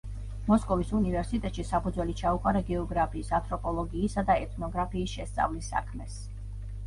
მოსკოვის უნივერსიტეტში საფუძველი ჩაუყარა გეოგრაფიის, ანთროპოლოგიისა და ეთნოგრაფიის შესწავლის საქმეს.